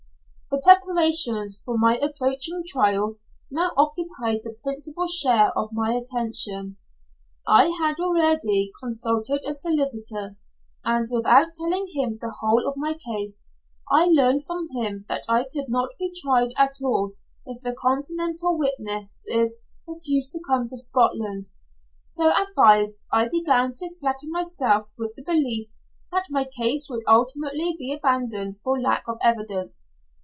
The preparations for my approaching trial now occupied the principal share of my attention. I had already consulted a solicitor, and without telling him the whole of my case, I learned from him that I could not be tried at all if the Continental witnesses refused to come to Scotland. So advised, I began to flatter myself with the belief that my case would ultimately be abandoned for lack of evidence.